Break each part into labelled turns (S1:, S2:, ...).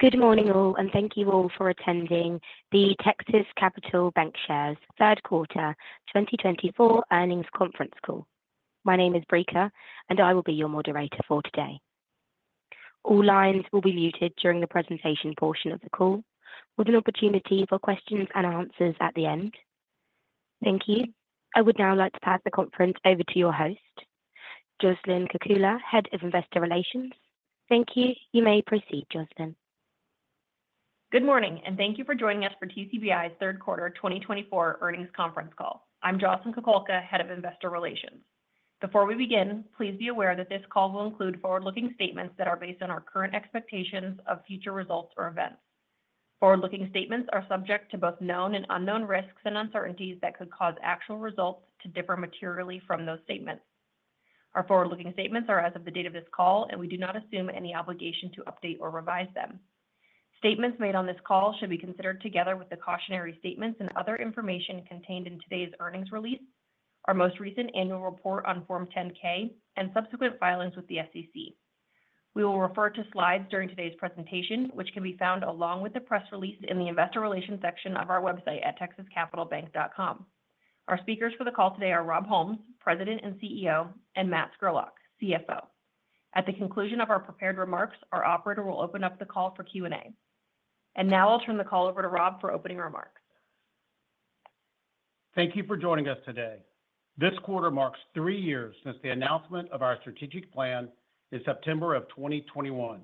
S1: Good morning, all, and thank you all for attending the Texas Capital Bancshares third quarter 2024 earnings conference call. My name is Breaker, and I will be your moderator for today. All lines will be muted during the presentation portion of the call, with an opportunity for questions and answers at the end. Thank you. I would now like to pass the conference over to your host, Jocelyn Kukulka, Head of Investor Relations. Thank you. You may proceed, Jocelyn.
S2: Good morning, and thank you for joining us for TCBI's third quarter 2024 earnings conference call. I'm Jocelyn Kukulka, Head of Investor Relations. Before we begin, please be aware that this call will include forward-looking statements that are based on our current expectations of future results or events. Forward-looking statements are subject to both known and unknown risks and uncertainties that could cause actual results to differ materially from those statements. Our forward-looking statements are as of the date of this call, and we do not assume any obligation to update or revise them. Statements made on this call should be considered together with the cautionary statements and other information contained in today's earnings release, our most recent annual report on Form 10-K and subsequent filings with the SEC. We will refer to slides during today's presentation, which can be found along with the press release in the Investor Relations section of our website at texascapitalbank.com. Our speakers for the call today are Rob Holmes, President and CEO, and Matt Scurlock, CFO. At the conclusion of our prepared remarks, our operator will open up the call for Q&A. And now I'll turn the call over to Rob for opening remarks.
S3: Thank you for joining us today. This quarter marks three years since the announcement of our strategic plan in September 2021.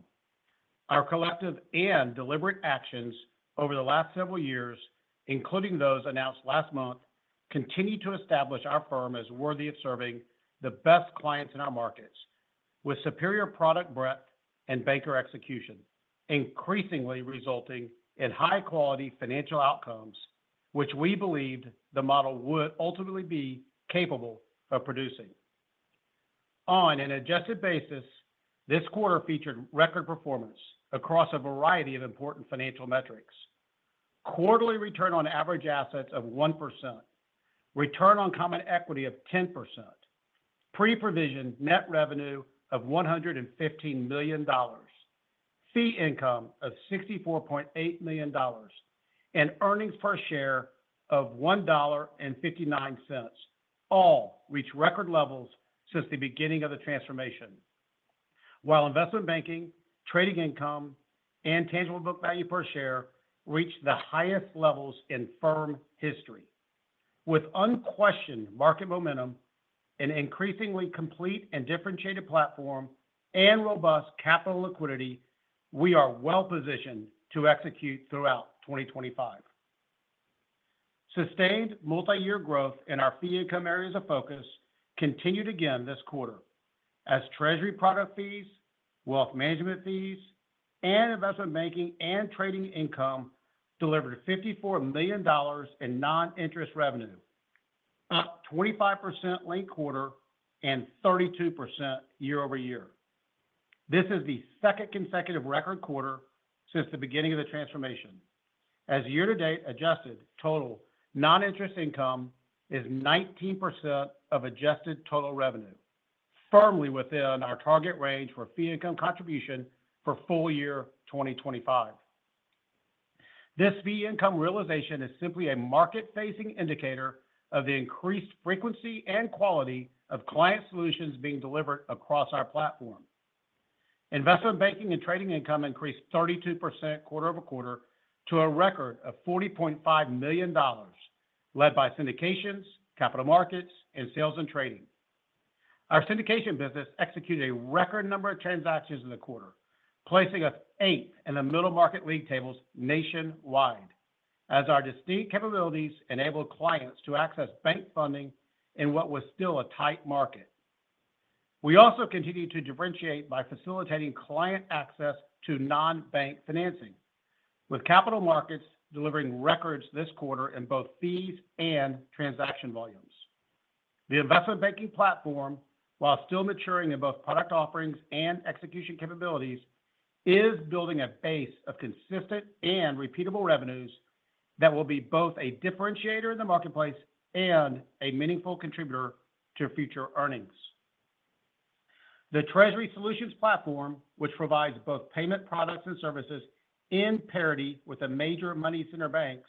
S3: Our collective and deliberate actions over the last several years, including those announced last month, continue to establish our firm as worthy of serving the best clients in our markets, with superior product breadth and banker execution, increasingly resulting in high-quality financial outcomes, which we believed the model would ultimately be capable of producing. On an adjusted basis, this quarter featured record performance across a variety of important financial metrics. Quarterly return on average assets of 1%, return on common equity of 10%, pre-provision net revenue of $115 million, fee income of $64.8 million, and earnings per share of $1.59, all reach record levels since the beginning of the transformation. While investment banking, trading income, and tangible book value per share reached the highest levels in firm history. With unquestioned market momentum, an increasingly complete and differentiated platform, and robust capital liquidity, we are well positioned to execute throughout 2025. Sustained multi-year growth in our fee income areas of focus continued again this quarter, as treasury product fees, wealth management fees, and investment banking and trading income delivered $54 million in non-interest revenue, up 25% linked quarter and 32% year-over-year. This is the second consecutive record quarter since the beginning of the transformation. As year to date, adjusted total non-interest income is 19% of adjusted total revenue, firmly within our target range for fee income contribution for full year 2025. This fee income realization is simply a market-facing indicator of the increased frequency and quality of client solutions being delivered across our platform. Investment banking and trading income increased 32% quarter over quarter to a record of $40.5 million, led by syndications, capital markets, and sales and trading. Our syndication business executed a record number of transactions in the quarter, placing us 8th in the middle market league tables nationwide, as our distinct capabilities enabled clients to access bank funding in what was still a tight market. We also continued to differentiate by facilitating client access to non-bank financing, with capital markets delivering records this quarter in both fees and transaction volumes. The investment banking platform, while still maturing in both product offerings and execution capabilities, is building a base of consistent and repeatable revenues that will be both a differentiator in the marketplace and a meaningful contributor to future earnings. The Treasury Solutions platform, which provides both payment products and services in parity with the major money center banks,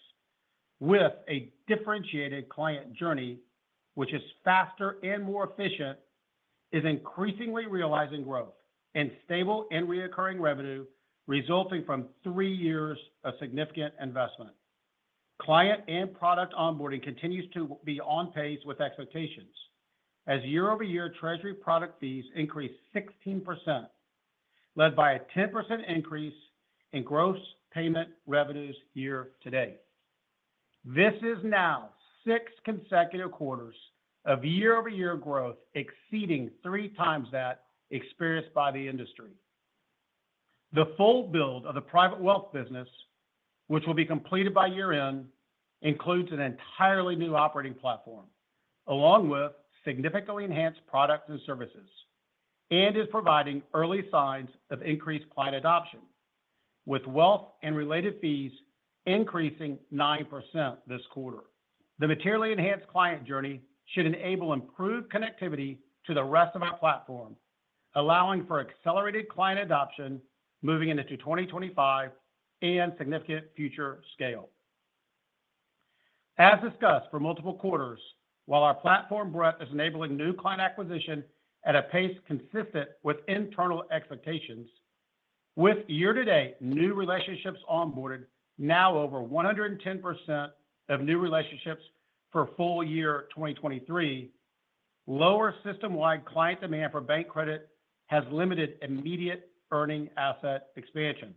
S3: with a differentiated client journey, which is faster and more efficient, is increasingly realizing growth and stable and recurring revenue resulting from three years of significant investment. Client and product onboarding continues to be on pace with expectations, as year-over-year Treasury product fees increased 16%, led by a 10% increase in gross payment revenues year-to-date. This is now six consecutive quarters of year-over-year growth, exceeding 3x that experienced by the industry. The full build of the private wealth business, which will be completed by year-end, includes an entirely new operating platform, along with significantly enhanced products and services, and is providing early signs of increased client adoption, with wealth and related fees increasing 9% this quarter. The materially enhanced client journey should enable improved connectivity to the rest of our platform, allowing for accelerated client adoption moving into 2025 and significant future scale. As discussed for multiple quarters, while our platform breadth is enabling new client acquisition at a pace consistent with internal expectations, with year-to-date new relationships onboarded now over 110% of new relationships for full year 2023, lower system-wide client demand for bank credit has limited immediate earning asset expansion.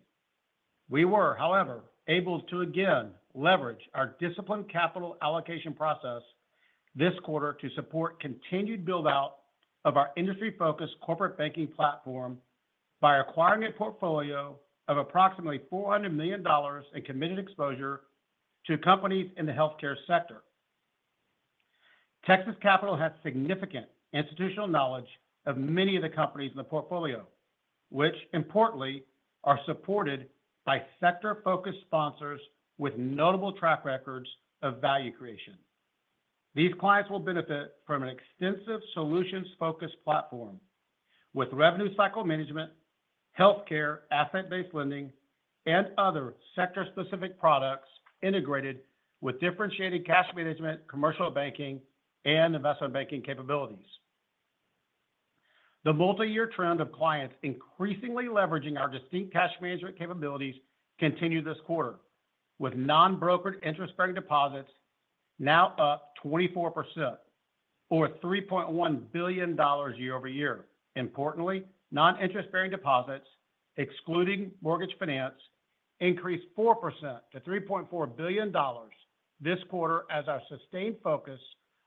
S3: We were, however, able to again leverage our disciplined capital allocation process this quarter to support continued build-out of our industry-focused corporate banking platform by acquiring a portfolio of approximately $400 million in committed exposure to companies in the healthcare sector. Texas Capital has significant institutional knowledge of many of the companies in the portfolio, which importantly, are supported by sector-focused sponsors with notable track records of value creation. These clients will benefit from an extensive solutions-focused platform with revenue cycle management, healthcare, asset-based lending, and other sector-specific products integrated with differentiated cash management, commercial banking, and investment banking capabilities. The multi-year trend of clients increasingly leveraging our distinct cash management capabilities continued this quarter, with non-brokered interest-bearing deposits now up 24% or $3.1 billion year-over-year. Importantly, non-interest-bearing deposits, excluding mortgage finance, increased 4% to $3.4 billion this quarter as our sustained focus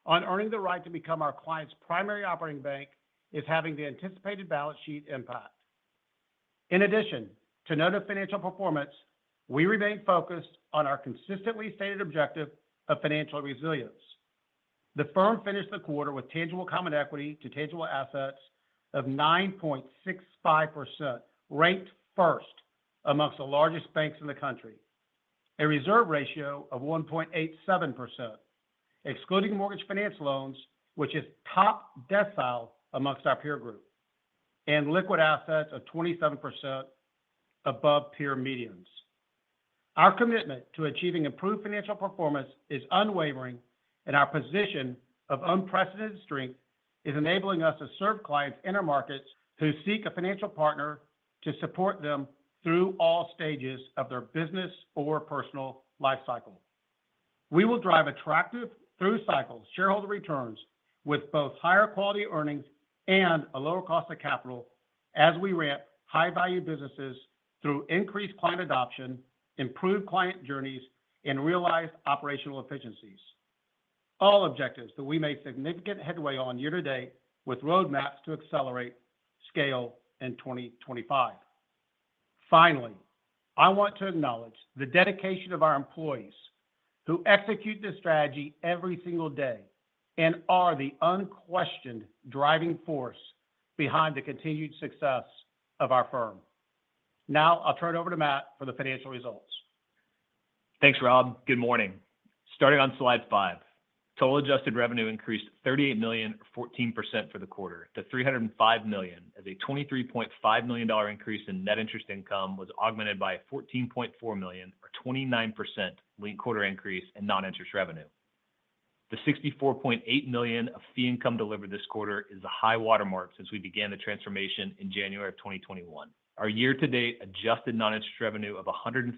S3: on earning the right to become our client's primary operating bank is having the anticipated balance sheet impact. In addition to noted financial performance, we remain focused on our consistently stated objective of financial resilience. The firm finished the quarter with tangible common equity to tangible assets of 9.65%, ranked first amongst the largest banks in the country. A reserve ratio of 1.87%, excluding mortgage finance loans, which is top decile amongst our peer group, and liquid assets of 27% above peer medians. Our commitment to achieving improved financial performance is unwavering, and our position of unprecedented strength is enabling us to serve clients in our markets who seek a financial partner to support them through all stages of their business or personal life cycle. We will drive attractive through-cycle shareholder returns with both higher quality earnings and a lower cost of capital as we ramp high-value businesses through increased client adoption, improved client journeys, and realized operational efficiencies. All objectives that we made significant headway on year to date with roadmaps to accelerate scale in 2025. Finally, I want to acknowledge the dedication of our employees who execute this strategy every single day and are the unquestioned driving force behind the continued success of our firm. Now, I'll turn it over to Matt for the financial results.
S4: Thanks, Rob. Good morning. Starting on slide 5, total adjusted revenue increased $38 million, 14% for the quarter to $305 million as a $23.5 million increase in net interest income was augmented by a $14.4 million, or 29% linked quarter increase in non-interest revenue. The $64.8 million of fee income delivered this quarter is a high watermark since we began the transformation in January 2021. Our year-to-date adjusted non-interest revenue of $157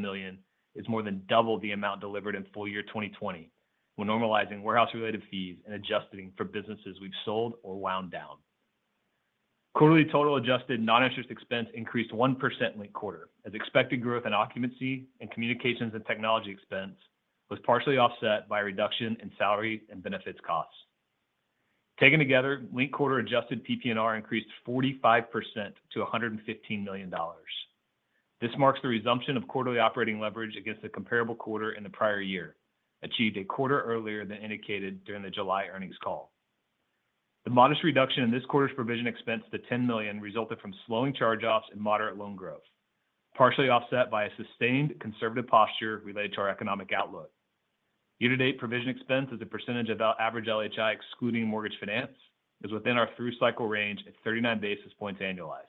S4: million is more than double the amount delivered in full year 2020, when normalizing warehouse-related fees and adjusting for businesses we've sold or wound down. Quarterly total adjusted non-interest expense increased 1% linked quarter. As expected, growth in occupancy and communications and technology expense was partially offset by a reduction in salary and benefits costs. Taken together, linked quarter adjusted PPNR increased 45% to $115 million. This marks the resumption of quarterly operating leverage against the comparable quarter in the prior year, achieved a quarter earlier than indicated during the July earnings call. The modest reduction in this quarter's provision expense to $10 million resulted from slowing charge-offs and moderate loan growth, partially offset by a sustained conservative posture related to our economic outlook. Year-to-date provision expense as a percentage of our average LHI, excluding mortgage finance, is within our through-cycle range at 39 basis points annualized.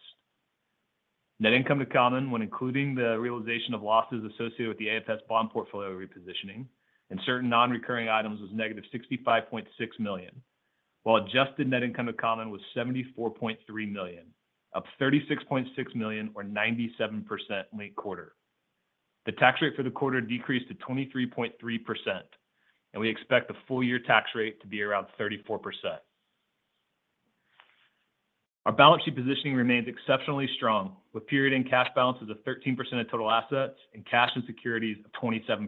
S4: Net income to common when including the realization of losses associated with the AFS bond portfolio repositioning and certain non-recurring items was negative $65.6 million, while adjusted net income to common was $74.3 million, up $36.6 million or 97% linked quarter. The tax rate for the quarter decreased to 23.3%, and we expect the full year tax rate to be around 34%. Our balance sheet positioning remains exceptionally strong, with period-end cash balances of 13% of total assets and cash and securities of 27%,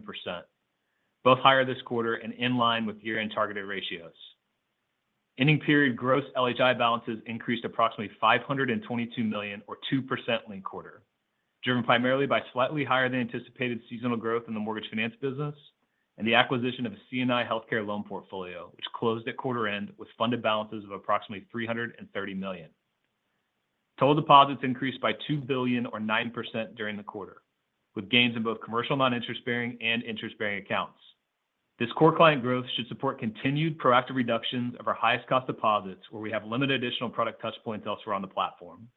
S4: both higher this quarter and in line with year-end targeted ratios. Ending period gross LHI balances increased approximately $522 million or 2% linked quarter, driven primarily by slightly higher than anticipated seasonal growth in the mortgage finance business and the acquisition of a C&I healthcare loan portfolio, which closed at quarter end with funded balances of approximately $330 million. Total deposits increased by $2 billion or 9% during the quarter, with gains in both commercial non-interest bearing and interest-bearing accounts. This core client growth should support continued proactive reductions of our highest cost deposits, where we have limited additional product touchpoints elsewhere on the platform,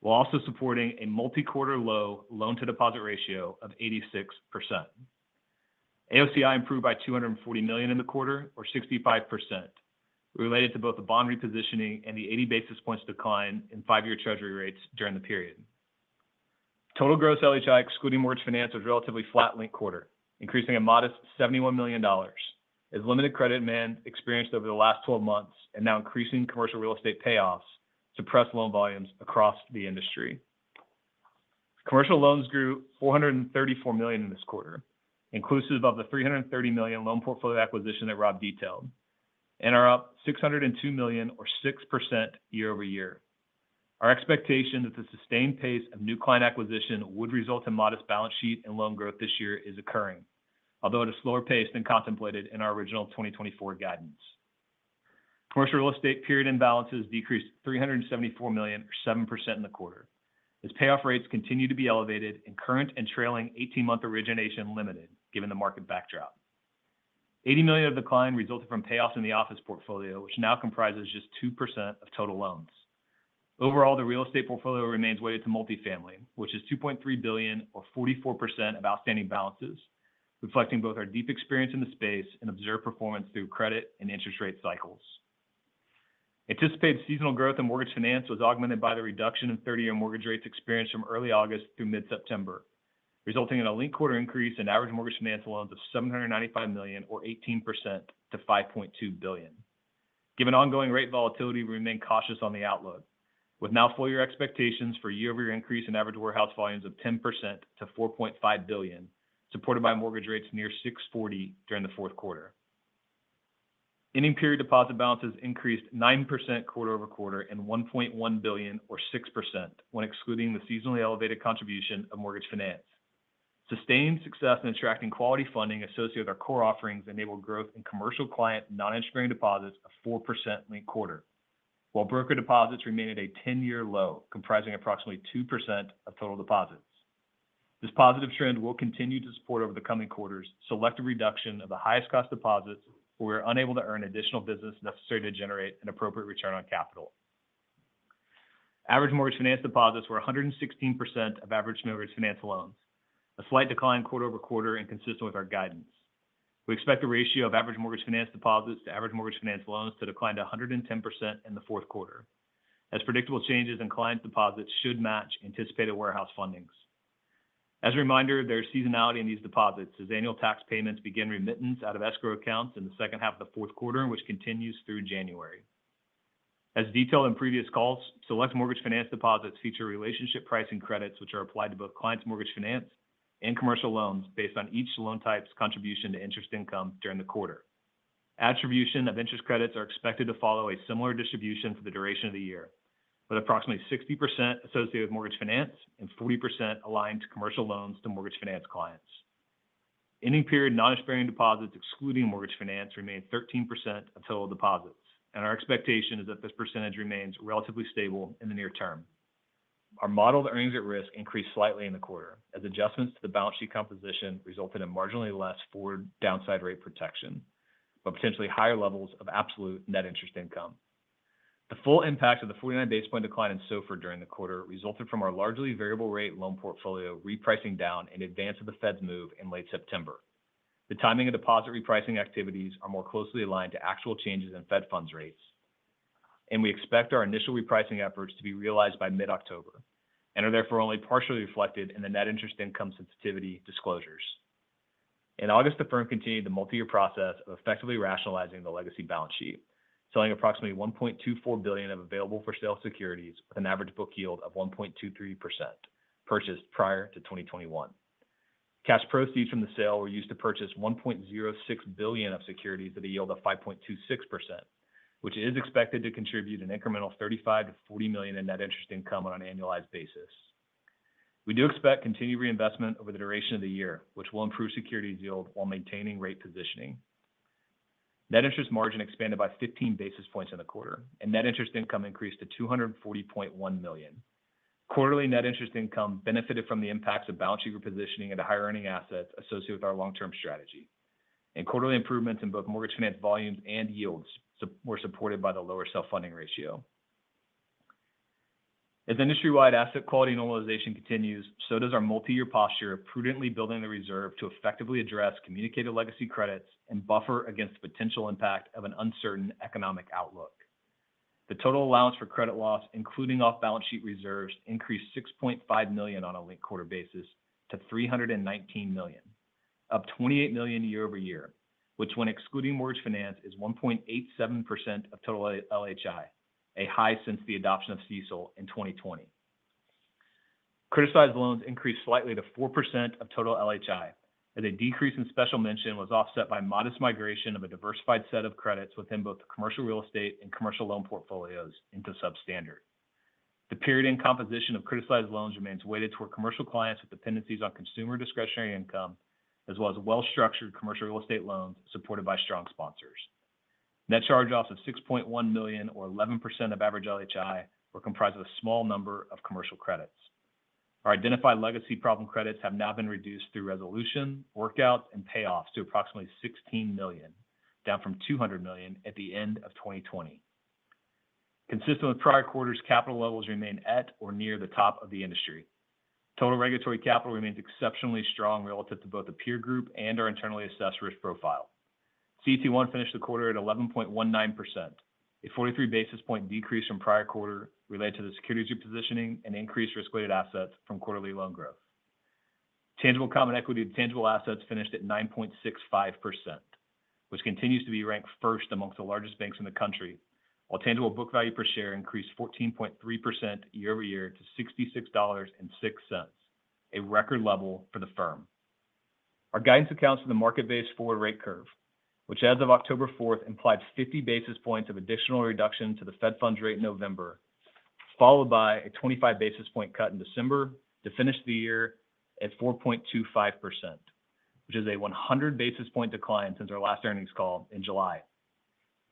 S4: while also supporting a multi-quarter low loan to deposit ratio of 86%. AOCI improved by $240 million in the quarter, or 65%, related to both the bond repositioning and the eighty basis points decline in five-year treasury rates during the period. Total gross LHI, excluding mortgage finance, was relatively flat linked quarter, increasing a modest $71 million, as limited credit demand experienced over the last 12 months and now increasing commercial real estate payoffs suppress loan volumes across the industry. Commercial loans grew $434 million in this quarter, inclusive of the $330 million loan portfolio acquisition that Rob detailed, and are up $602 million or 6% year-over-year. Our expectation that the sustained pace of new client acquisition would result in modest balance sheet and loan growth this year is occurring, although at a slower pace than contemplated in our original 2024 guidance. Commercial real estate portfolio imbalances decreased $374 million, or 7% in the quarter, as payoff rates continue to be elevated and current and trailing 18-month origination limited, given the market backdrop. $80 million of decline resulted from payoffs in the office portfolio, which now comprises just 2% of total loans. Overall, the real estate portfolio remains weighted to multifamily, which is $2.3 billion or 44% of outstanding balances, reflecting both our deep experience in the space and observed performance through credit and interest rate cycles. Anticipated seasonal growth in mortgage finance was augmented by the reduction in 30-year mortgage rates experienced from early August through mid-September, resulting in a linked quarter increase in average mortgage finance loans of $795 million or 18% to $5.2 billion. Given ongoing rate volatility, we remain cautious on the outlook, with now full year expectations for year-over-year increase in average warehouse volumes of 10% to $4.5 billion, supported by mortgage rates near 6.40% during the fourth quarter. Ending period deposit balances increased 9% quarter over quarter and $1.1 billion or 6% when excluding the seasonally elevated contribution of mortgage finance. Sustained success in attracting quality funding associated with our core offerings enabled growth in commercial client non-interest-bearing deposits of 4% linked quarter, while broker deposits remain at a 10-year low, comprising approximately 2% of total deposits. This positive trend will continue to support over the coming quarters, selective reduction of the highest cost deposits, where we're unable to earn additional business necessary to generate an appropriate return on capital. Average mortgage finance deposits were 116% of average mortgage finance loans, a slight decline quarter-over-quarter and consistent with our guidance. We expect the ratio of average mortgage finance deposits to average mortgage finance loans to decline to 110% in the fourth quarter, as predictable changes in client deposits should match anticipated warehouse fundings. As a reminder, there is seasonality in these deposits as annual tax payments begin remittance out of escrow accounts in the second half of the fourth quarter, which continues through January. As detailed in previous calls, select mortgage finance deposits feature relationship pricing credits, which are applied to both clients mortgage finance and commercial loans based on each loan type's contribution to interest income during the quarter. Attribution of interest credits are expected to follow a similar distribution for the duration of the year, with approximately 60% associated with mortgage finance and 40% aligned to commercial loans to mortgage finance clients. Ending period non-interest-bearing deposits, excluding mortgage finance, remained 13% of total deposits, and our expectation is that this percentage remains relatively stable in the near term. Our modeled earnings at risk increased slightly in the quarter, as adjustments to the balance sheet composition resulted in marginally less forward downside rate protection, but potentially higher levels of absolute net interest income. The full impact of the 49 basis point decline in SOFR during the quarter resulted from our largely variable rate loan portfolio repricing down in advance of the Fed's move in late September. The timing of deposit repricing activities are more closely aligned to actual changes in Fed funds rates, and we expect our initial repricing efforts to be realized by mid-October and are therefore only partially reflected in the net interest income sensitivity disclosures. In August, the firm continued the multi-year process of effectively rationalizing the legacy balance sheet, selling approximately $1.24 billion of available for sale securities with an average book yield of 1.23%, purchased prior to 2021. Cash proceeds from the sale were used to purchase $1.06 billion of securities at a yield of 5.26%, which is expected to contribute an incremental $35 million-$40 million in net interest income on an annualized basis. We do expect continued reinvestment over the duration of the year, which will improve securities yield while maintaining rate positioning. Net interest margin expanded by 15 basis points in the quarter, and net interest income increased to $240.1 million. Quarterly net interest income benefited from the impacts of balance sheet repositioning and a higher earning asset associated with our long-term strategy. Quarterly improvements in both mortgage finance volumes and yields were supported by the lower self-funding ratio. As industry-wide asset quality normalization continues, so does our multi-year posture of prudently building the reserve to effectively address communicated legacy credits and buffer against the potential impact of an uncertain economic outlook. The total allowance for credit loss, including off-balance sheet reserves, increased $6.5 million on a linked quarter basis to $319 million, up $28 million year-over-year, which when excluding mortgage finance, is 1.87% of total LHI, a high since the adoption of CECL in 2020. Criticized loans increased slightly to 4% of total LHI, as a decrease in special mention was offset by modest migration of a diversified set of credits within both the commercial real estate and commercial loan portfolios into substandard. The period-end composition of criticized loans remains weighted toward commercial clients with dependencies on consumer discretionary income, as well as well-structured commercial real estate loans supported by strong sponsors. Net charge-offs of $6.1 million or 11% of average LHI were comprised of a small number of commercial credits. Our identified legacy problem credits have now been reduced through resolution, workouts, and payoffs to approximately $16 million, down from $200 million at the end of 2020. Consistent with prior quarters, capital levels remain at or near the top of the industry. Total regulatory capital remains exceptionally strong relative to both the peer group and our internally assessed risk profile. CET1 finished the quarter at 11.19%, a 43 basis points decrease from prior quarter related to the security positioning and increased risk-weighted assets from quarterly loan growth. Tangible common equity to tangible assets finished at 9.65%, which continues to be ranked first among the largest banks in the country, while tangible book value per share increased 14.3% year-over-year to $66.06, a record level for the firm. Our guidance accounts for the market-based forward rate curve, which as of October 4th, implies 50 basis points of additional reduction to the Fed funds rate in November, followed by a 25 basis point cut in December to finish the year at 4.25%, which is a 100 basis point decline since our last earnings call in July.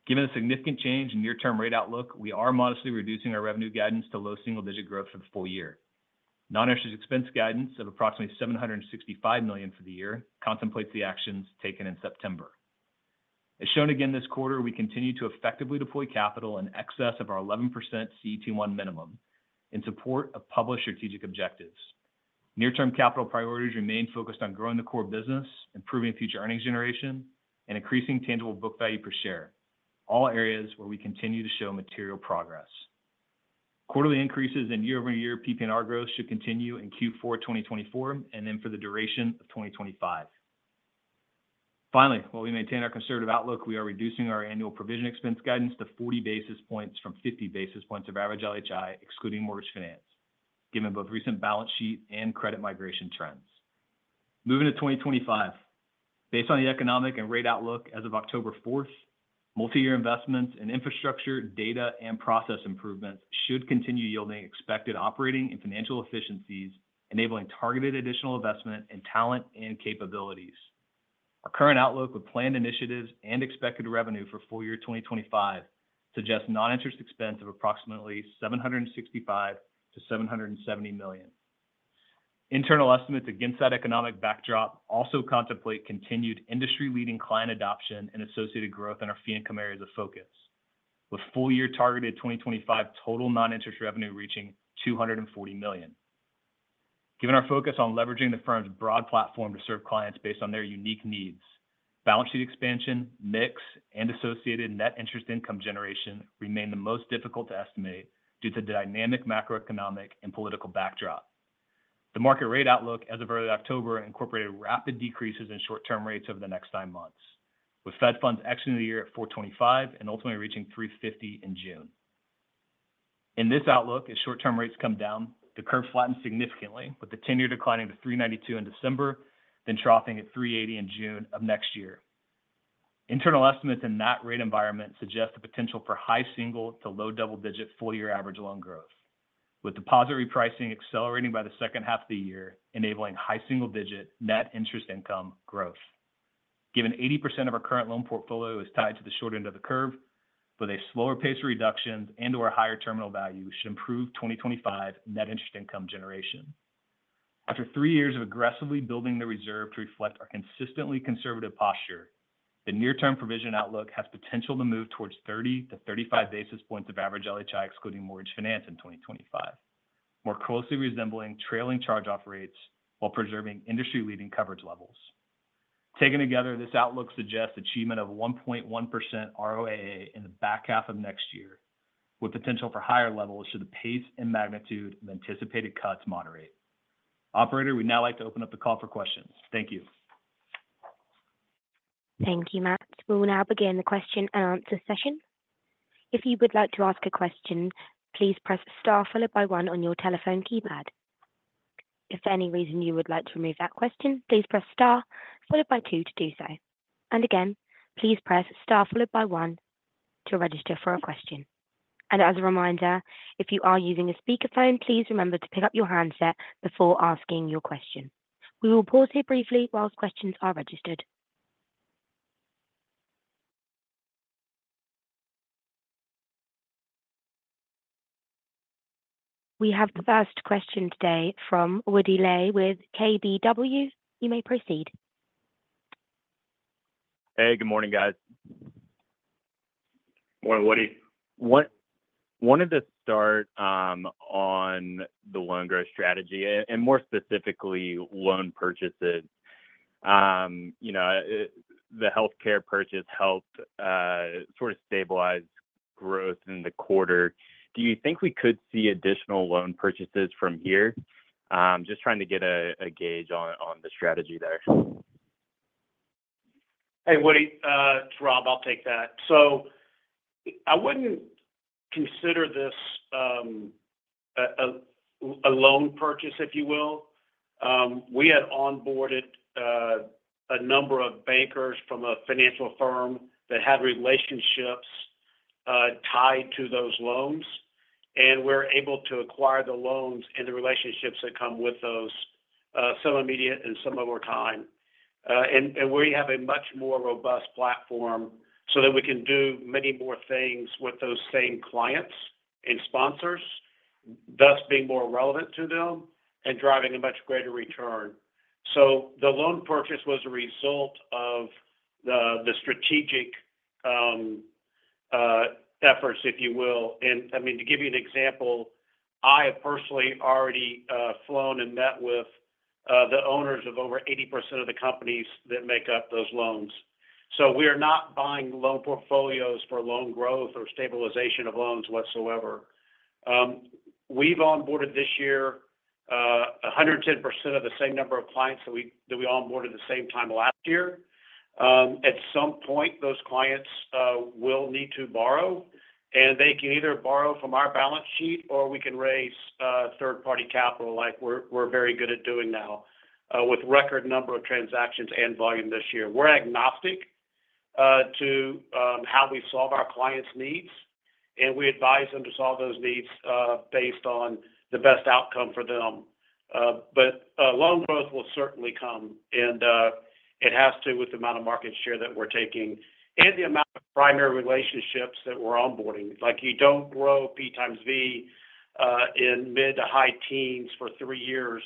S4: Given the significant change in near-term rate outlook, we are modestly reducing our revenue guidance to low single-digit growth for the full year. Non-interest expense guidance of approximately $765 million for the year contemplates the actions taken in September. As shown again this quarter, we continue to effectively deploy capital in excess of our 11% CET1 minimum in support of published strategic objectives. Near-term capital priorities remain focused on growing the core business, improving future earnings generation, and increasing tangible book value per share, all areas where we continue to show material progress. Quarterly increases in year-over-year PNR growth should continue in Q4 2024, and then for the duration of 2025. Finally, while we maintain our conservative outlook, we are reducing our annual provision expense guidance to forty basis points from fifty basis points of average LHI, excluding mortgage finance, given both recent balance sheet and credit migration trends. Moving to 2025. Based on the economic and rate outlook as of October fourth, multiyear investments in infrastructure, data, and process improvements should continue yielding expected operating and financial efficiencies, enabling targeted additional investment in talent and capabilities. Our current outlook with planned initiatives and expected revenue for full year 2025 suggests non-interest expense of approximately $765 million-$770 million. Internal estimates against that economic backdrop also contemplate continued industry-leading client adoption and associated growth in our fee income areas of focus, with full year targeted 2025 total non-interest revenue reaching $240 million. Given our focus on leveraging the firm's broad platform to serve clients based on their unique needs, balance sheet expansion, mix, and associated net interest income generation remain the most difficult to estimate due to the dynamic macroeconomic and political backdrop. The market rate outlook as of early October incorporated rapid decreases in short-term rates over the next nine months, with Fed Funds exiting the year at 4.25 and ultimately reaching 3.50 in June. In this outlook, as short-term rates come down, the curve flattens significantly, with the 10-year declining to 3.92% in December, then troughing at 3.80% in June of next year. Internal estimates in that rate environment suggest the potential for high single- to low double-digit full year average loan growth, with deposit repricing accelerating by the second half of the year, enabling high single-digit net interest income growth. Given 80% of our current loan portfolio is tied to the short end of the curve, but a slower pace of reductions and/or a higher terminal value should improve 2025 net interest income generation. After three years of aggressively building the reserve to reflect our consistently conservative posture, the near-term provision outlook has potential to move towards 30 basis points-35 basis points of average LHI, excluding mortgage finance in 2025, more closely resembling trailing charge-off rates while preserving industry-leading coverage levels. Taken together, this outlook suggests achievement of 1.1% ROAA in the back half of next year, with potential for higher levels should the pace and magnitude of anticipated cuts moderate. Operator, we'd now like to open up the call for questions. Thank you.
S1: Thank you, Matt. We will now begin the question and answer session. If you would like to ask a question, please press star followed by one on your telephone keypad. If for any reason you would like to remove that question, please press star followed by two to do so. And again, please press star followed by one to register for a question. And as a reminder, if you are using a speakerphone, please remember to pick up your handset before asking your question. We will pause here briefly while questions are registered. We have the first question today from Woody Lay with KBW. You may proceed.
S5: Hey, good morning, guys.
S3: Morning, Woody.
S5: I wanted to start on the loan growth strategy and more specifically, loan purchases. You know, the healthcare purchase helped sort of stabilize growth in the quarter. Do you think we could see additional loan purchases from here? Just trying to get a gauge on the strategy there.
S3: Hey, Woody, it's Rob. I'll take that. So I wouldn't consider this a loan purchase, if you will. We had onboarded a number of bankers from a financial firm that had relationships tied to those loans, and we're able to acquire the loans and the relationships that come with those, some immediate and some over time. And we have a much more robust platform so that we can do many more things with those same clients and sponsors, thus being more relevant to them and driving a much greater return. So the loan purchase was a result of the strategic efforts, if you will. And I mean, to give you an example, I have personally already flown and met with the owners of over 80% of the companies that make up those loans. So we are not buying loan portfolios for loan growth or stabilization of loans whatsoever. We've onboarded this year 110% of the same number of clients that we onboarded the same time last year. At some point, those clients will need to borrow, and they can either borrow from our balance sheet or we can raise third-party capital, like we're very good at doing now with record number of transactions and volume this year. We're agnostic to how we solve our clients' needs, and we advise them to solve those needs based on the best outcome for them. But loan growth will certainly come, and it has to with the amount of market share that we're taking and the amount of primary relationships that we're onboarding. Like, you don't grow P times V in mid to high teens for three years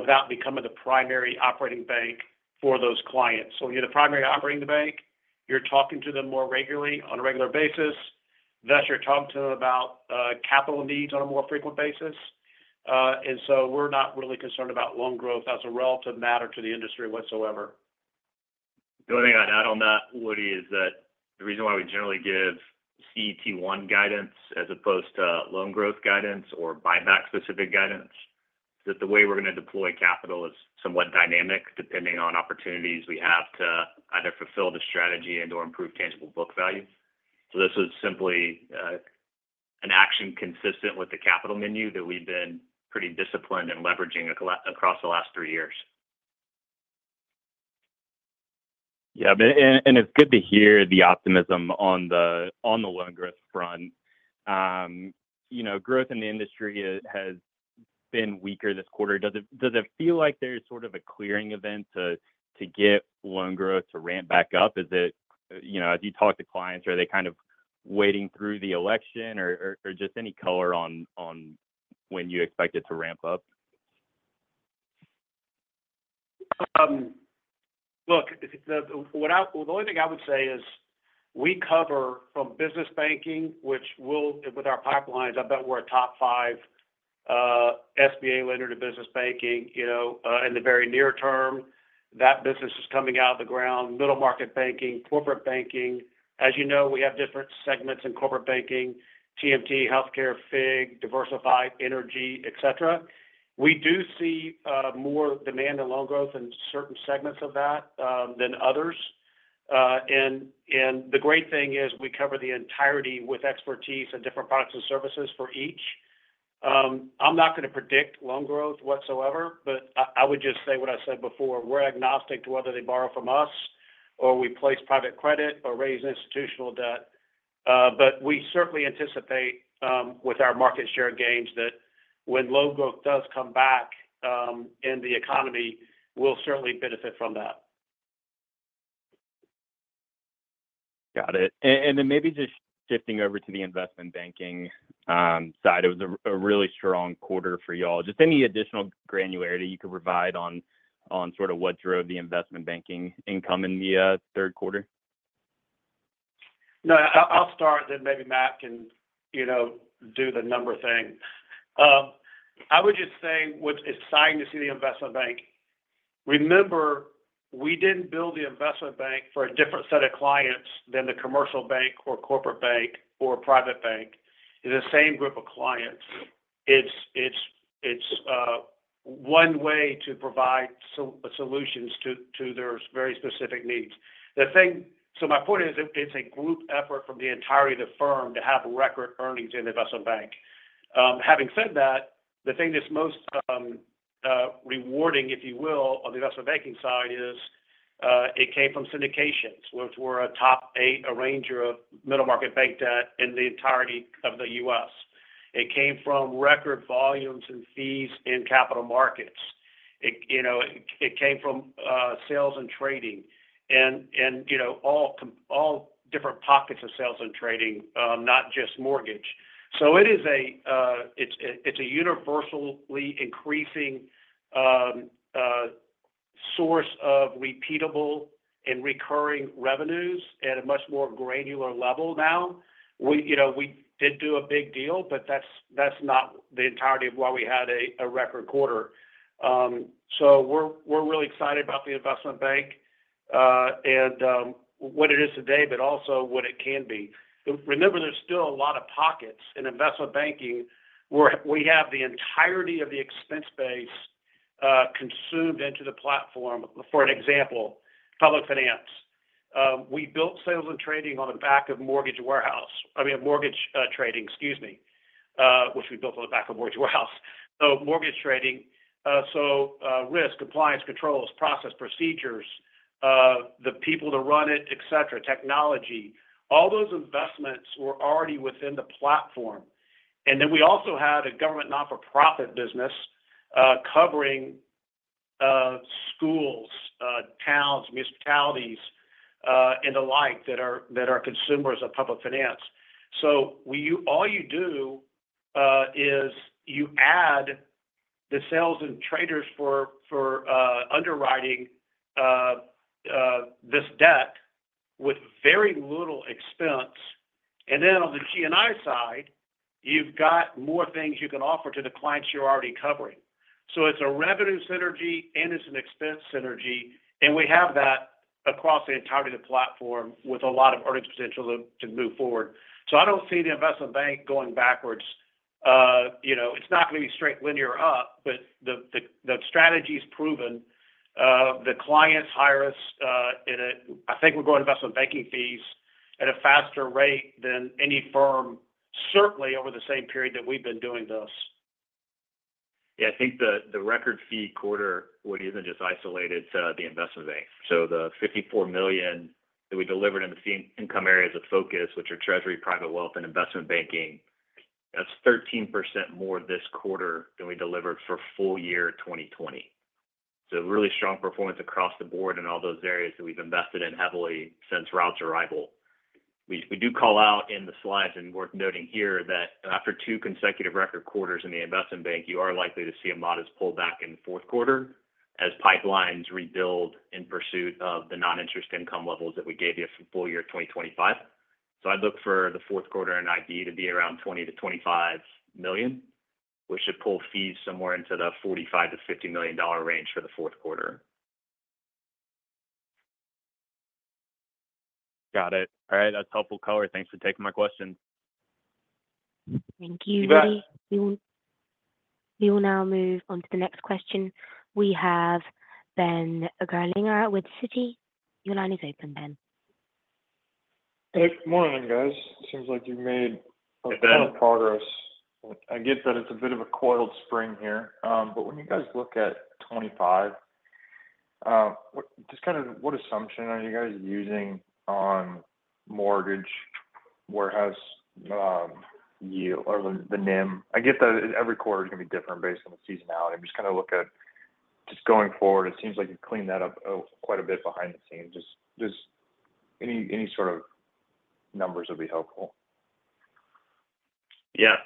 S3: without becoming the primary operating bank for those clients. So you're the primary operating bank, you're talking to them more regularly on a regular basis, thus you're talking to them about capital needs on a more frequent basis. And so we're not really concerned about loan growth as a relative matter to the industry whatsoever.
S4: The only thing I'd add on that, Woody, is that the reason why we generally give CET1 guidance as opposed to loan growth guidance or buyback-specific guidance is that the way we're going to deploy capital is somewhat dynamic, depending on opportunities we have to either fulfill the strategy and/or improve tangible book value. So this is simply an action consistent with the capital menu that we've been pretty disciplined in leveraging across the last three years.
S5: Yeah, but it's good to hear the optimism on the loan growth front. You know, growth in the industry has been weaker this quarter. Does it feel like there's sort of a clearing event to get loan growth to ramp back up? Is it... You know, as you talk to clients, are they kind of waiting through the election, just any color on when you expect it to ramp up?
S3: Look, the only thing I would say is we cover from business banking, which, with our pipelines, I bet we're a top five SBA lender to business banking. You know, in the very near term, that business is coming out of the ground, middle market banking, corporate banking. As you know, we have different segments in corporate banking, TMT, healthcare, FIG, diversified, energy, et cetera. We do see more demand and loan growth in certain segments of that than others. And the great thing is we cover the entirety with expertise and different products and services for each. I'm not going to predict loan growth whatsoever, but I would just say what I said before: we're agnostic to whether they borrow from us or we place private credit or raise institutional debt. But we certainly anticipate, with our market share gains, that when loan growth does come back, in the economy, we'll certainly benefit from that.
S5: Got it. And then maybe just shifting over to the investment banking side, it was a really strong quarter for you all. Just any additional granularity you could provide on sort of what drove the investment banking income in the third quarter?
S3: No, I'll start, then maybe Matt can, you know, do the number thing. I would just say what it's exciting to see the investment bank. Remember, we didn't build the investment bank for a different set of clients than the commercial bank or corporate bank or private bank. It's the same group of clients. It's one way to provide solutions to their very specific needs. So my point is, it's a group effort from the entirety of the firm to have record earnings in investment bank. Having said that, the thing that's most rewarding, if you will, on the investment banking side is it came from syndications, which we're a top eight arranger of middle market bank debt in the entirety of the U.S. It came from record volumes and fees in capital markets. It, you know, it, it came from sales and trading and, you know, all different pockets of sales and trading, not just mortgage. So it is a, it's a universally increasing source of repeatable and recurring revenues at a much more granular level now. We, you know, we did do a big deal, but that's not the entirety of why we had a record quarter. So we're really excited about the investment bank and what it is today, but also what it can be. Remember, there's still a lot of pockets in investment banking, where we have the entirety of the expense base consumed into the platform. For an example, public finance. We built sales and trading on the back of mortgage warehouse- I mean, mortgage trading, excuse me. Which we built on the back of mortgage warehouse. So mortgage trading, risk, compliance, controls, process, procedures, the people to run it, et cetera, technology, all those investments were already within the platform. And then we also had a government not-for-profit business covering schools, towns, municipalities, and the like that are consumers of public finance. So all you do is you add the sales and traders for underwriting this debt with very little expense. And then on the G&I side, you've got more things you can offer to the clients you're already covering. So it's a revenue synergy, and it's an expense synergy, and we have that across the entirety of the platform with a lot of earning potential to move forward. So I don't see the investment bank going backwards. You know, it's not going to be straight linear up, but the strategy is proven. The clients hire us in a, I think we're growing investment banking fees at a faster rate than any firm, certainly over the same period that we've been doing this.
S4: Yeah, I think the record fee quarter, Woody, isn't just isolated to the investment bank. So the $54 million that we delivered in the same income areas of focus, which are treasury, private wealth, and investment banking, that's 13% more this quarter than we delivered for full year 2020. So really strong performance across the board in all those areas that we've invested in heavily since Rob's arrival. We do call out in the slides, and worth noting here, that after two consecutive record quarters in the investment bank, you are likely to see a modest pullback in the fourth quarter as pipelines rebuild in pursuit of the non-interest income levels that we gave you for full year 2025. So I'd look for the fourth quarter in IB to be around $20 million-$25 million, which should pull fees somewhere into the $45 million-$50 million range for the fourth quarter.
S5: Got it. All right, that's helpful color. Thanks for taking my question.
S1: Thank you, Woody.
S4: You bet.
S1: We will now move on to the next question. We have Ben Gerlinger with Citi. Your line is open, Ben.
S6: Good morning, guys. Seems like you've made-
S4: Hey, Ben
S6: -a ton of progress. I get that it's a bit of a coiled spring here, but when you guys look at 2025, what assumption are you guys using on mortgage warehouse yield or the NIM? I get that every quarter is going to be different based on the seasonality. I'm just kind of look at just going forward, it seems like you've cleaned that up quite a bit behind the scenes. Just any sort of numbers would be helpful.
S4: Yeah,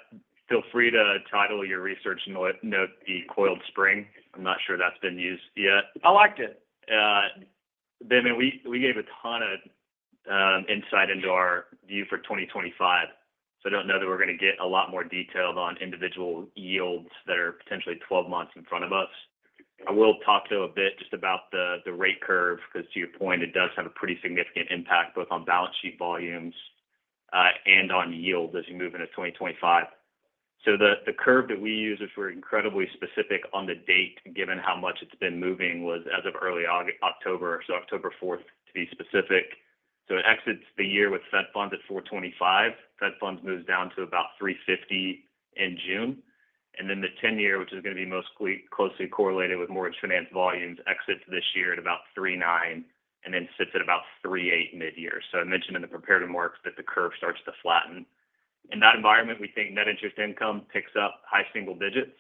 S4: feel free to title your research note "the coiled spring." I'm not sure that's been used yet.
S3: I liked it.
S4: Then we gave a ton of insight into our view for 2025, so I don't know that we're going to get a lot more detailed on individual yields that are potentially 12 months in front of us. I will talk, though, a bit just about the rate curve, because to your point, it does have a pretty significant impact both on balance sheet volumes and on yields as you move into 2025. So the curve that we use, which we're incredibly specific on the date, given how much it's been moving, was as of early October, so October 4th, to be specific. So it exits the year with Fed Funds at 4.25%. Fed Funds moves down to about 3.50% in June, and then the 10-year, which is going to be mostly closely correlated with mortgage finance volumes, exits this year at about 3.90%, and then sits at about 3.80% mid-year. So I mentioned in the prepared remarks that the curve starts to flatten. In that environment, we think net interest income picks up high single digits.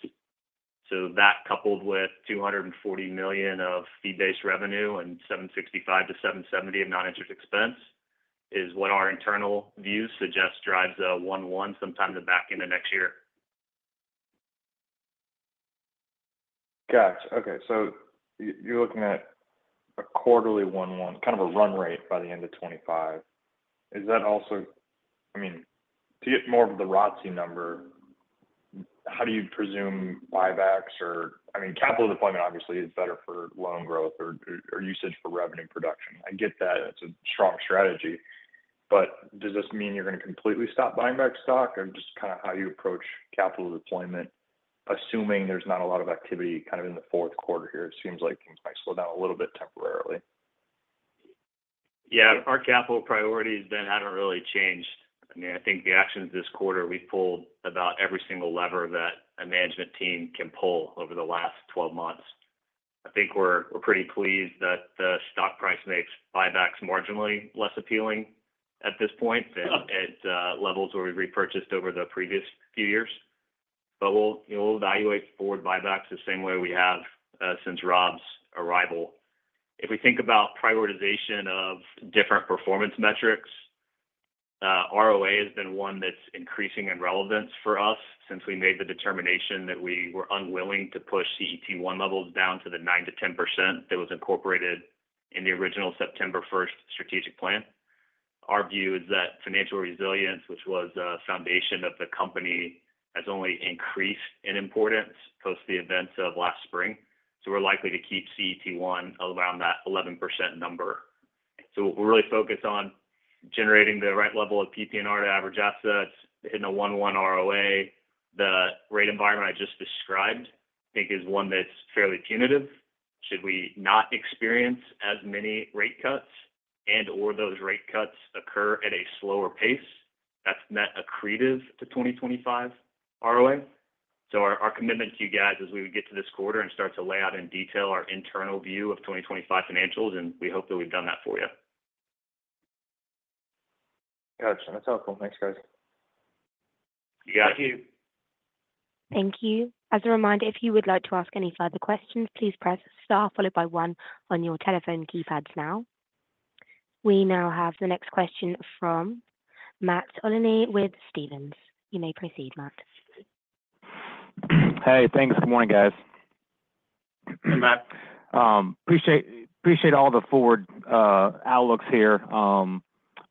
S4: So that, coupled with $240 million of fee-based revenue and $765 million-$770 million of non-interest expense, is what our internal views suggest drives a 1.1 sometime in the back end of next year.
S6: Gotcha. Okay, so you're looking at a quarterly 11, kind of a run rate by the end of 2025. Is that also, I mean, to get more of the ROCE number, how do you presume buybacks or, I mean, capital deployment obviously is better for loan growth or usage for revenue production. I get that it's a strong strategy, but does this mean you're going to completely stop buying back stock or just kind of how you approach capital deployment, assuming there's not a lot of activity kind of in the fourth quarter here? It seems like things might slow down a little bit temporarily.
S4: Yeah. Our capital priorities then haven't really changed. I mean, I think the actions this quarter, we pulled about every single lever that a management team can pull over the last twelve months. I think we're pretty pleased that the stock price makes buybacks marginally less appealing at this point than at levels where we repurchased over the previous few years. But we'll, you know, we'll evaluate forward buybacks the same way we have since Rob's arrival. If we think about prioritization of different performance metrics, ROA has been one that's increasing in relevance for us since we made the determination that we were unwilling to push CET1 levels down to the 9%-10% that was incorporated in the original September first strategic plan. Our view is that financial resilience, which was the foundation of the company, has only increased in importance post the events of last spring. So we're likely to keep CET1 around that 11% number. So we're really focused on generating the right level of PPNR to average assets, hitting a 1.1 ROA. The rate environment I just described, I think, is one that's fairly punitive. Should we not experience as many rate cuts and or those rate cuts occur at a slower pace, that's net accretive to 2025 ROA. So our commitment to you guys is we would get to this quarter and start to lay out in detail our internal view of 2025 financials, and we hope that we've done that for you.
S7: Got you. That's helpful. Thanks, guys.
S3: We're here.
S1: Thank you. Thank you. As a reminder, if you would like to ask any further questions, please press star followed by one on your telephone keypads now. We now have the next question from Matt Olney with Stephens. You may proceed, Matt.
S8: Hey, thanks. Good morning, guys. Matt, appreciate all the forward outlooks here.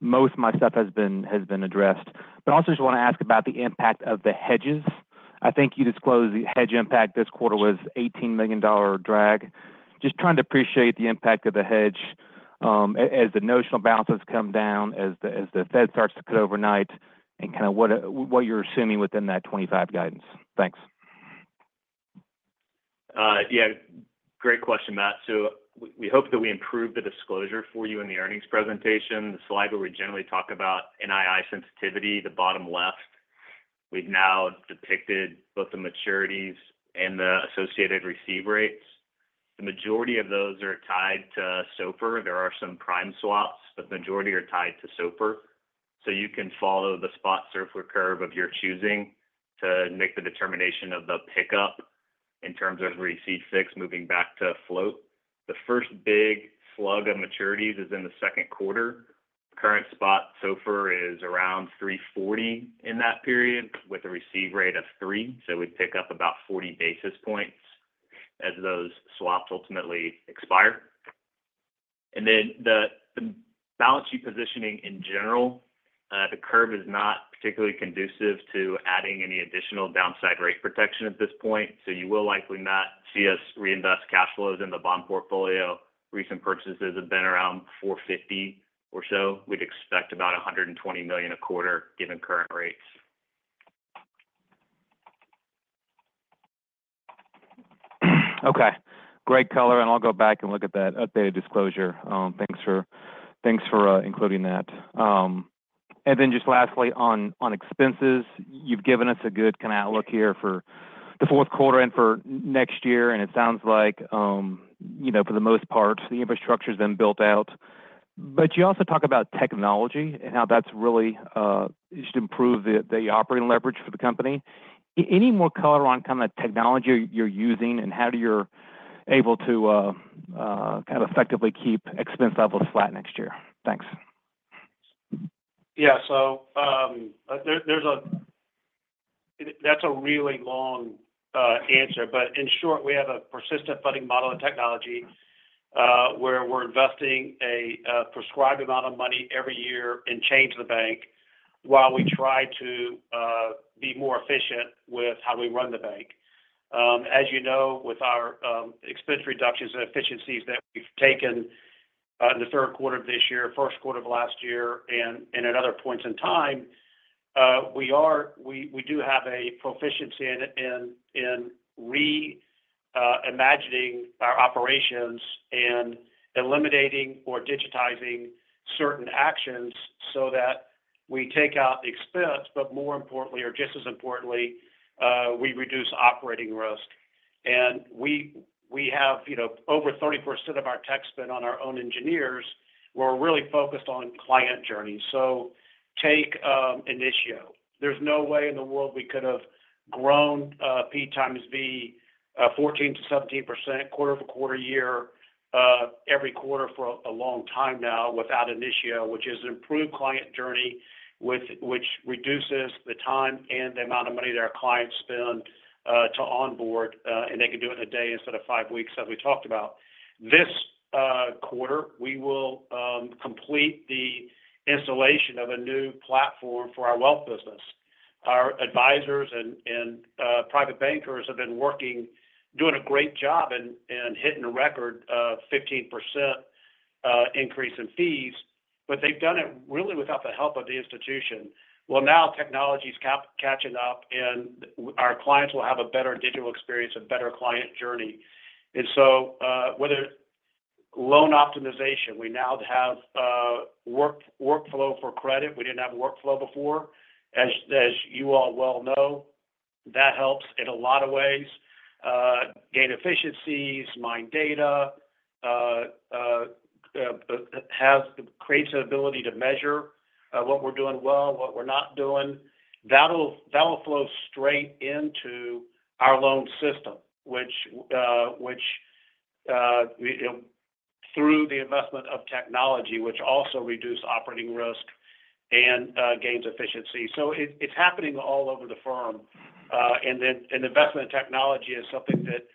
S8: Most of my stuff has been addressed, but I also just want to ask about the impact of the hedges. I think you disclosed the hedge impact this quarter was $18 million drag. Just trying to appreciate the impact of the hedge, as the notional balances come down, as the Fed starts to cut overnight and kind of what you're assuming within that 2025 guidance. Thanks.
S4: Yeah, great question, Matt. So we, we hope that we improved the disclosure for you in the earnings presentation. The slide where we generally talk about NII sensitivity, the bottom left, we've now depicted both the maturities and the associated receive rates. The majority of those are tied to SOFR. There are some prime swaps, but the majority are tied to SOFR. So you can follow the spot SOFR curve of your choosing to make the determination of the pickup in terms of receive fixed moving back to float. The first big slug of maturities is in the second quarter. Current spot SOFR is around 340 in that period, with a receive rate of three. So we'd pick up about 40 basis points as those swaps ultimately expire. Then the balance sheet positioning in general, the curve is not particularly conducive to adding any additional downside rate protection at this point, so you will likely not see us reinvest cash flows in the bond portfolio. Recent purchases have been around 4.50% or so. We'd expect about $120 million a quarter, given current rates.
S8: Okay, great color, and I'll go back and look at that updated disclosure. Thanks for including that. Then just lastly on expenses. You've given us a good kind of outlook here for the fourth quarter and for next year, and it sounds like, you know, for the most part, the infrastructure has been built out. But you also talk about technology and how that's really should improve the operating leverage for the company. Any more color on kind of technology you're using and how you're able to kind of effectively keep expense levels flat next year? Thanks.
S3: Yeah. So, there's a that's a really long answer, but in short, we have a persistent funding model and technology where we're investing a prescribed amount of money every year and change the bank while we try to be more efficient with how we run the bank. As you know, with our expense reductions and efficiencies that we've taken in the third quarter of this year, first quarter of last year, and at other points in time, we do have a proficiency in reimagining our operations and eliminating or digitizing certain actions so that we take out expense, but more importantly or just as importantly, we reduce operating risk. And we have, you know, over 34% of our tech spend on our own engineers. We're really focused on client journeys. So take Initio. There's no way in the world we could have grown P times V 14%-17% quarter-over-quarter year every quarter for a long time now without Initio, which is an improved client journey, which reduces the time and the amount of money that our clients spend to onboard, and they can do it in a day instead of five weeks, as we talked about. This quarter, we will complete the installation of a new platform for our wealth business. Our advisors and private bankers have been working, doing a great job and hitting a record of 15% increase in fees, but they've done it really without the help of the institution, well, now technology is catching up, and our clients will have a better digital experience and better client journey, and so whether loan optimization, we now have workflow for credit. We didn't have a workflow before. As you all well know, that helps in a lot of ways, gain efficiencies, mine data, creates an ability to measure what we're doing well, what we're not doing. That'll flow straight into our loan system, which you know, through the investment of technology, which also reduce operating risk and gains efficiency. It's happening all over the firm, and then investment technology is something that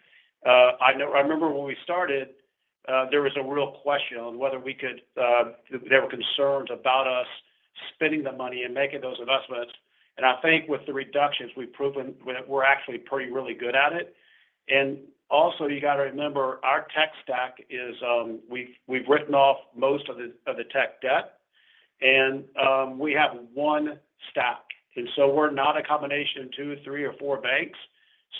S3: I remember when we started, there was a real question on whether we could, there were concerns about us spending the money and making those investments, and I think with the reductions, we've proven we're actually pretty really good at it, and also, you got to remember, our tech stack is, we've written off most of the tech debt, and we have one stack, and so we're not a combination of 2, 3, or 4banks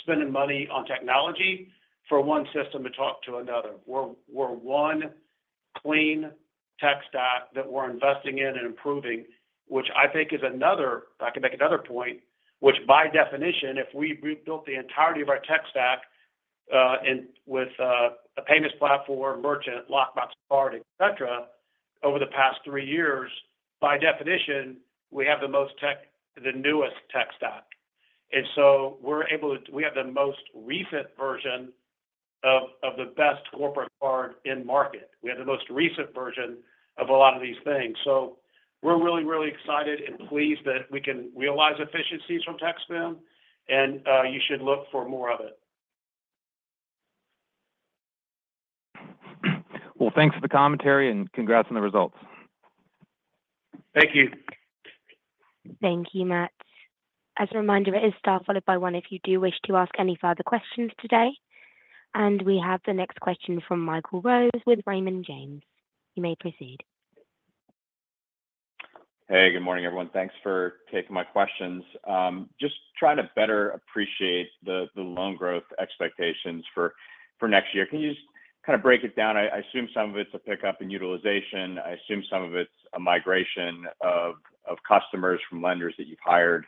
S3: spending money on technology for one system to talk to another. We're one clean tech stack that we're investing in and improving, which I think is another—if I can make another point, which by definition, if we've built the entirety of our tech stack in with a payments platform, merchant, lockbox, card, et cetera, over the past three years, by definition, we have the newest tech stack. And so we're able to—we have the most recent version of the best corporate card in market. We have the most recent version of a lot of these things. So we're really, really excited and pleased that we can realize efficiencies from tech spend, and you should look for more of it.
S8: Thanks for the commentary, and congrats on the results.
S3: Thank you.
S1: Thank you, Matt. As a reminder, it is star followed by one, if you do wish to ask any further questions today. And we have the next question from Michael Rose with Raymond James. You may proceed.
S7: Hey, good morning, everyone. Thanks for taking my questions. Just trying to better appreciate the loan growth expectations for next year. Can you just kind of break it down? I assume some of it's a pickup in utilization. I assume some of it's a migration of customers from lenders that you've hired,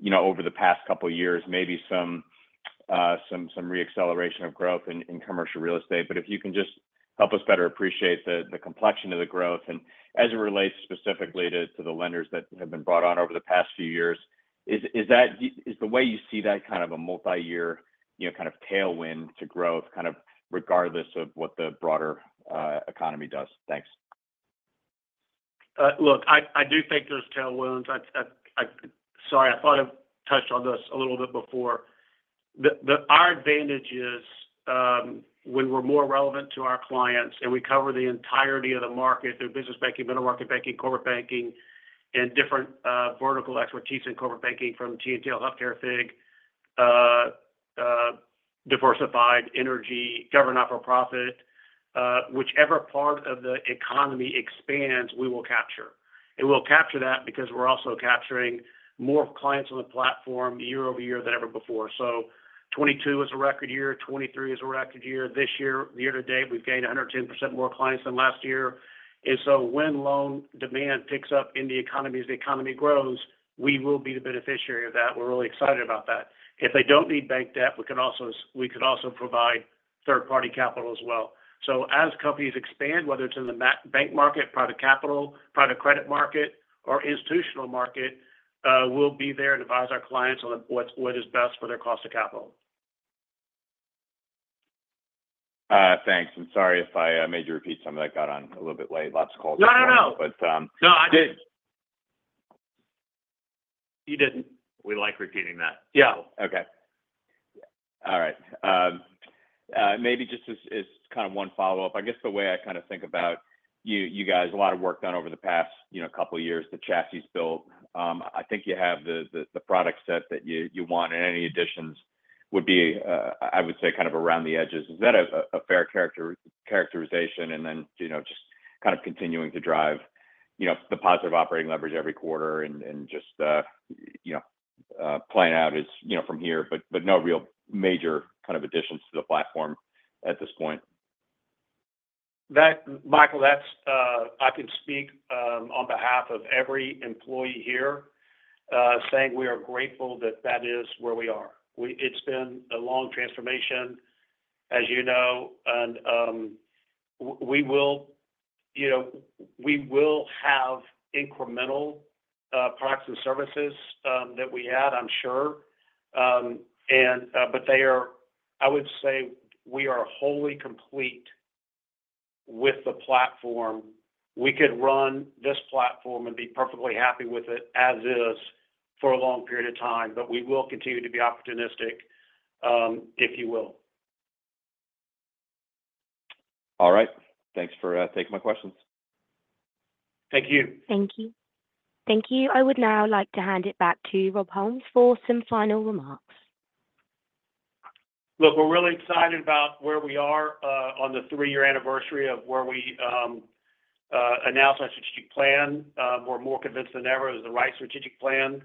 S7: you know, over the past couple of years, maybe some reacceleration of growth in commercial real estate. But if you can just help us better appreciate the complexion of the growth and as it relates specifically to the lenders that have been brought on over the past few years, is that the way you see that kind of a multi-year, you know, kind of tailwind to growth, kind of regardless of what the broader economy does? Thanks.
S3: Look, I do think there's tailwinds. Sorry, I thought I touched on this a little bit before. Our advantage is we were more relevant to our clients, and we cover the entirety of the market through business banking, middle market banking, corporate banking, and different vertical expertise in corporate banking from TMT, healthcare, FIG, diversified energy, government, not-for-profit. Whichever part of the economy expands, we will capture. We'll capture that because we're also capturing more clients on the platform year-over-year than ever before. So 2022 is a record year, 2023 is a record year. This year, year-to-date, we've gained 110% more clients than last year. So when loan demand picks up in the economy, as the economy grows, we will be the beneficiary of that. We're really excited about that. If they don't need bank debt, we could also provide third-party capital as well. So as companies expand, whether it's in the middle market, private capital, private credit market, or institutional market, we'll be there and advise our clients on what is best for their cost of capital.
S7: Thanks. I'm sorry if I made you repeat something. I got on a little bit late. Lots of calls.
S3: No, no, no.
S7: But, um-
S3: No, I didn't. You didn't.
S7: We like repeating that.
S3: Yeah.
S7: Okay. All right. Maybe just as kind of one follow-up, I guess the way I kind of think about you guys, a lot of work done over the past, you know, couple of years, the chassis built. I think you have the product set that you want, and any additions would be, I would say, kind of around the edges. Is that a fair characterization? And then, you know, just kind of continuing to drive, you know, the positive operating leverage every quarter and just, you know, playing out as, you know, from here, but no real major kind of additions to the platform at this point.
S3: That, Michael, that's, I can speak on behalf of every employee here, saying we are grateful that that is where we are. It's been a long transformation, as you know, and we will, you know, we will have incremental products and services that we add, I'm sure. And, but they are. I would say we are wholly complete with the platform. We could run this platform and be perfectly happy with it as is for a long period of time, but we will continue to be opportunistic, if you will.
S7: All right. Thanks for taking my questions.
S3: Thank you.
S1: Thank you. I would now like to hand it back to Rob Holmes for some final remarks.
S3: Look, we're really excited about where we are on the three-year anniversary of where we announced our strategic plan. We're more convinced than ever it was the right strategic plan.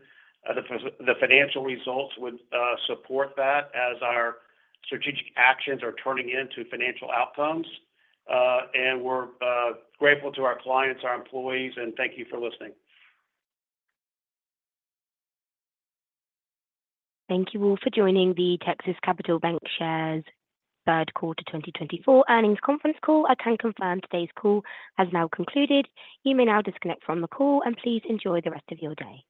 S3: The financial results would support that as our strategic actions are turning into financial outcomes, and we're grateful to our clients, our employees, and thank you for listening.
S1: Thank you all for joining the Texas Capital Bancshares third quarter 2024 earnings conference call. I can confirm today's call has now concluded. You may now disconnect from the call, and please enjoy the rest of your day.